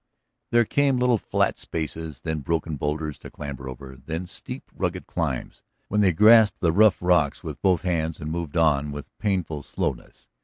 There came little flat spaces, then broken boulders to clamber over, then steep, rugged climbs, when they grasped the rough rocks with both hands and moved on with painful slowness.